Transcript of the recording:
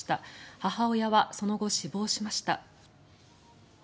母親はその後、死亡しました。